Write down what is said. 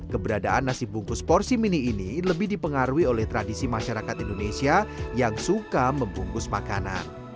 keberadaan nasi bungkus porsi mini ini lebih dipengaruhi oleh tradisi masyarakat indonesia yang suka membungkus makanan